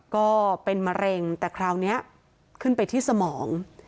ก็เป็นมะเร็งแต่คราวนี้ขึ้นไปที่สมอง